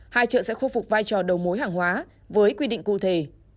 hai chợ sẽ khôi phục vai trò đầu mối hàng hóa với quy định cụ thể